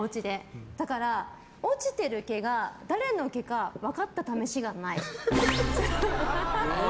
だから、落ちてる毛が誰の毛か分かったためしがない。